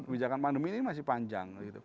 kebijakan pandemi ini masih panjang